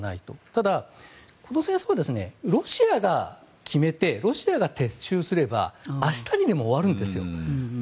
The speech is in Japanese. ただ、この戦争はロシアが決めてロシアが撤収すれば明日にでも終わるんですよ。